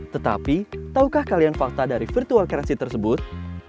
tetapi tahukah kalian fakta dari virtual currection tersebut